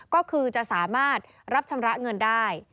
ก็คือจะสามารถรับชำระเงินได้